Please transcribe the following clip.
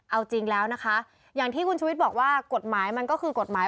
เอาจริงแล้วนะคะอย่างที่คุณชุวิตบอกว่ากฎหมายมันก็คือกฎหมาย